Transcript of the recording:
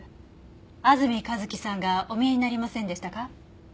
安住一輝さんがお見えになりませんでしたか？